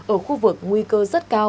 ở khu vực nguy cơ rất cao